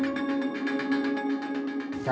ผมรู้ว่าเกิดผมรู้ว่าเกิดผมรู้ว่าเกิด